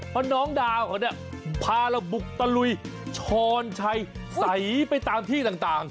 เพราะน้องดาวเขาเนี่ยพาเราบุกตะลุยช้อนชัยใสไปตามที่ต่าง